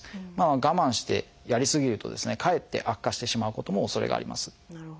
我慢してやりすぎるとですねかえって悪化してしまうおそれがあります。